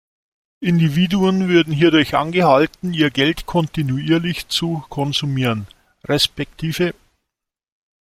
Individuen würden hierdurch angehalten, ihr Geld kontinuierlich zu konsumieren resp.